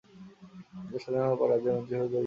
দেশ স্বাধীন হবার পর রাজ্যের মন্ত্রীসভায় যোগ দেন।